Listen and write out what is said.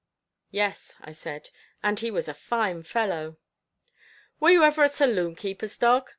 "Yes," I said, "and he was a fine fellow." "Were you ever a saloon keeper's dog?"